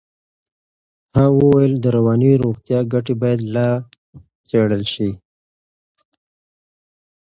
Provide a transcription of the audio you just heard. ها وویل د رواني روغتیا ګټې باید لا څېړل شي.